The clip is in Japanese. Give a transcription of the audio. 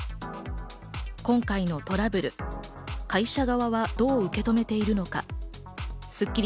今回のトラブル、会社側はどう受け止めているのでしょうか。